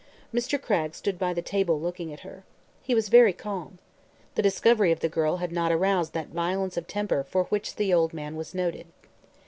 Mr. Cragg stood by the table looking at her. He was very calm. The discovery of the girl had not aroused that violence of temper for which the old man was noted.